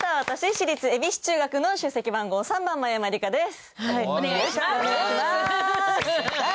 私立恵比寿中学、出席番号３番、真山りかです。